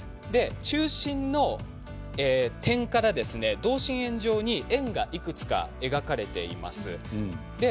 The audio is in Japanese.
中心の点から同心円状に円がいくつか描かれています。